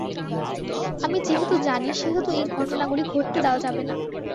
আমি যেহেতু জানি, সেহেতু এই ঘটনাগুলি ঘটতে দেয়া যাবে না।